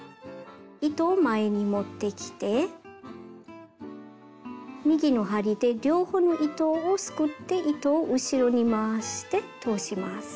糸を前に持ってきて右の針で両方の糸をすくって糸を後ろに回して通します。